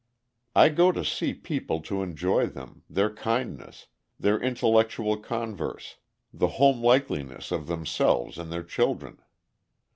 I go to see people to enjoy them, their kindness, their intellectual converse, the homelikeness of themselves and their children.